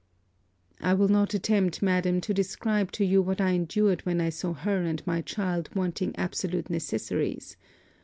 'I will not attempt, madam, to describe to you what I endured when I saw her and my child wanting absolute necessaries.